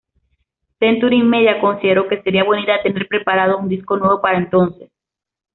Century Media consideró que sería buena idea tener preparado un disco nuevo para entonces.